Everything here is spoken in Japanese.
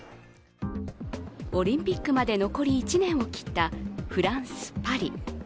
オリンピックまで残り１年を切ったフランス・パリ。